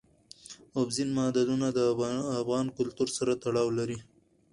اوبزین معدنونه د افغان کلتور سره تړاو لري.